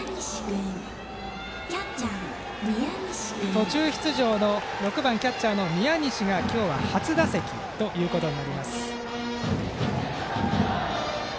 途中出場の６番キャッチャーの宮西が今日は初打席となります。